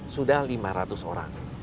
sudah lima ratus orang